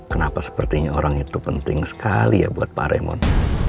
kenapa sepertinya orang itu penting sekali ya buat pak remon